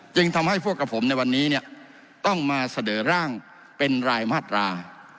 จึงทำให้พวกกับผมในวันนี้เนี่ยต้องมาเสนอร่างเป็นรายมาตรา